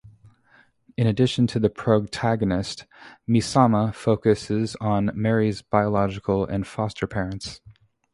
In addition to the protagonists, "Missamma" focuses on Mary's biological and foster parents.